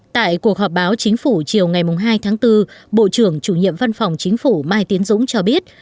tại cuộc họp báo chính phủ chiều ngày hai tháng bốn bộ trưởng chủ nhiệm văn phòng chính phủ mai tiến dũng cho biết